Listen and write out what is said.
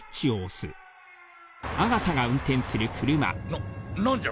なっ何じゃ？